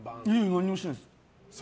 何もしてないです。